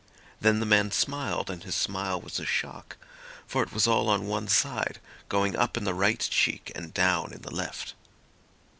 Then the man smiled, and his smile was a shock, for it was all on one side, going up in the right cheek and down in the left.